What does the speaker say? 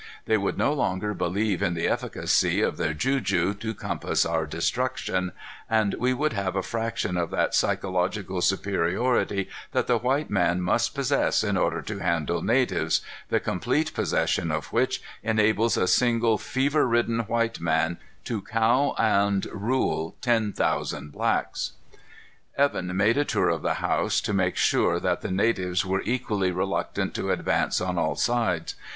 They would no longer believe in the efficacy of their juju to compass our destruction, and we would have a fraction of that psychological superiority that the white man must possess in order to handle natives, the complete possession of which enables a single fever ridden white man to cow and rule ten thousand blacks. Evan made a tour of the house, to make sure that the natives were equally reluctant to advance on all sides.